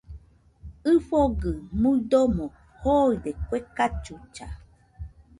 ɨfɨgɨ muidomo joide kue cachucha